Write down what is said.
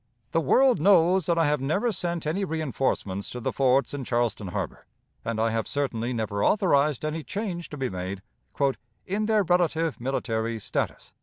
The world knows that I have never sent any reënforcements to the forts in Charleston Harbor, and I have certainly never authorized any change to be made "in their relative military status."